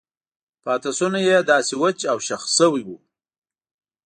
پاتې شونې یې داسې وچ او شخ شوي وو.